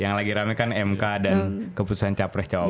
yang lagi rame kan mk dan keputusan capreh caopres